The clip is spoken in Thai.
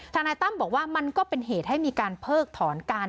นายตั้มบอกว่ามันก็เป็นเหตุให้มีการเพิกถอนการ